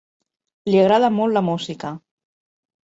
Li agrada molt la música.